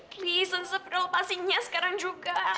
please don't stop lo pasti nya sekarang juga